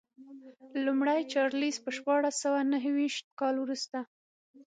لومړی چارلېز په شپاړس سوه نهویشت کال وروسته.